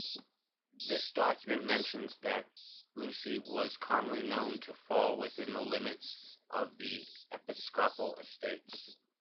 This document mentions that Losey was commonly known to fall within the limits of the episcopal estates.